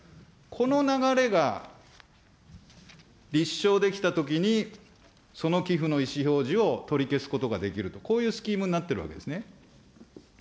この流れが立証できたときに、その寄付の意思表示を取り消すことができると、こういうスキームになっているわけですね。